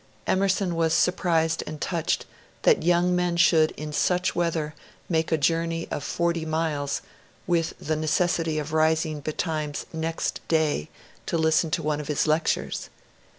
Emerson was surprised and touched, that young men should in such weather make a journey of forty miles, with the neces sity of rising betimes next day, to listen to one of his lectures.